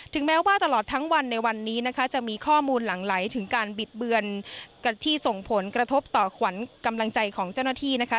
แม้ว่าตลอดทั้งวันในวันนี้นะคะจะมีข้อมูลหลังไหลถึงการบิดเบือนที่ส่งผลกระทบต่อขวัญกำลังใจของเจ้าหน้าที่นะคะ